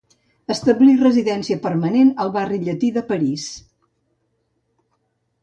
Establí residència permanent al barri Llatí de París.